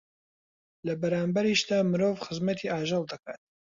لە بەرانبەریشیدا مرۆڤ خزمەتی ئاژەڵ دەکات